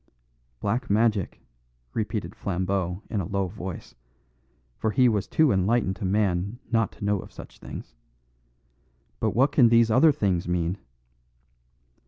"Black magic," repeated Flambeau in a low voice, for he was too enlightened a man not to know of such things; "but what can these other things mean?"